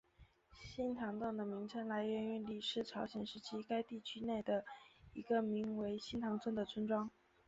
新堂洞的名称来源于李氏朝鲜时期该地区内的一个名为新堂村的村庄。